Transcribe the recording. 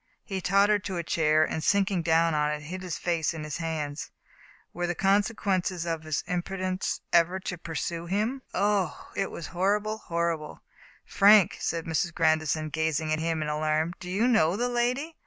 He tottered to a chair, and sinking down on it, hid his face in his hands. Were the consequences of his imprudence ever to pursue him ? Oh ! it was horrible, horrible. " Frank," said Mrs. Grandison, gazing at him in alarm, " do you know the lady